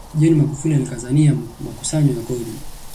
john magufuli alikazania makusanyo ya kodi